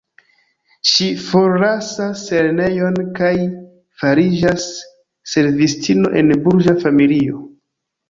Ŝi forlasas lernejon kaj fariĝas servistino en burĝa familio.